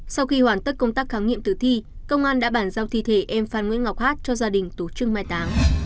sau khi hoàn tất công tác khám nghiệm tử thi công an đã bản giao thi thể em phan nguyễn ngọc hát cho gia đình tổ chức trưng mai táng